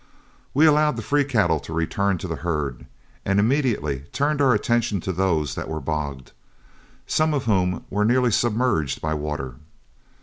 We allowed the free cattle to return to the herd, and immediately turned our attention to those that were bogged, some of whom were nearly submerged by water.